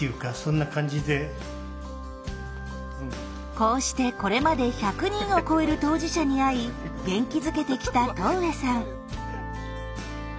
こうしてこれまで１００人を超える当事者に会い元気づけてきた戸上さん。